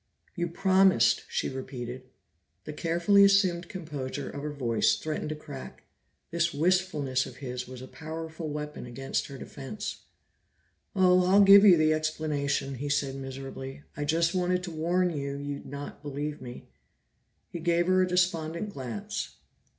"You promised," she repeated. The carefully assumed composure of her voice threatened to crack; this wistfulness of his was a powerful weapon against her defense. "Oh, I'll give you the explanation," he said miserably. "I just wanted to warn you you'd not believe me." He gave her a despondent glance.